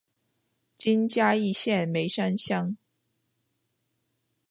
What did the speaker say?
今嘉义县梅山乡。